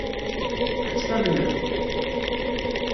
Ad tt-tamnemt?